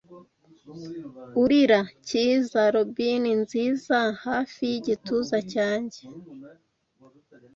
urira, Cyiza, robini nziza, Hafi yigituza cyanjye